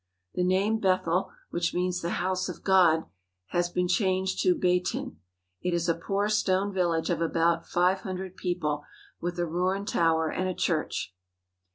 The name Bethel, which means the House of God, has been changed to Beitin. It is a poor stone village of about five hundred people, with a ruined tower and a church.